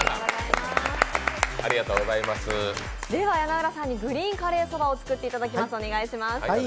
では、梁浦さんにグリーンカレーソバを作っていただきます。